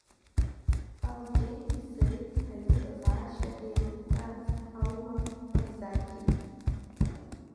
Алгьерии сареи ҳаизыҟазаашьа еиликаарц аума, мамзаргьы…